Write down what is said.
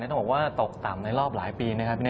ต้องบอกว่าตกต่ำในรอบหลายปีนะครับ